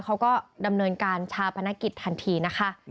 เขาก็ดำเนินการชาปนกิจทันทีนะคะ